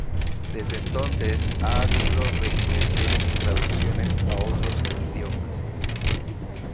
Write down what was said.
Desde entonces ha habido reimpresiones y traducciones a otros idiomas.